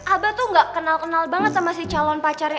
abah tuh gak kenal kenal banget sama si calon pacarnya